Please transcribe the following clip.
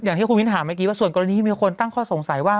อย่างที่คุณมิ้นถามเมื่อกี้ว่าส่วนกรณีที่มีคนตั้งข้อสงสัยว่า